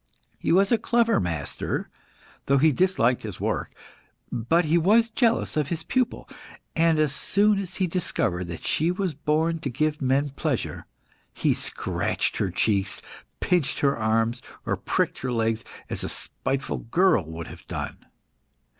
He was a clever master, though he disliked his work; but he was jealous of his pupil, and as soon as he discovered that she was born to give men pleasure, he scratched her cheeks, pinched her arms, or pricked her legs, as a spiteful girl would have done.